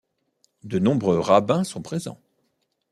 De nombreux rabbins sont présents.